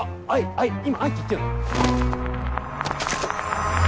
はいはい。